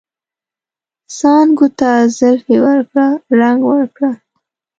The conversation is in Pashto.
څانګو ته زلفې ورکړه ، رنګ ورکړه